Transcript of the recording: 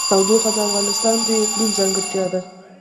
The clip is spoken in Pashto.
تودوخه د افغانستان د اقلیم ځانګړتیا ده.